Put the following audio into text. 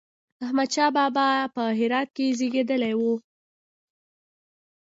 احمد شاه بابا په هرات کې زېږېدلی و